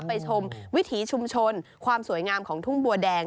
ไปชมวิถีชุมชนความสวยงามของทุ่งบัวแดง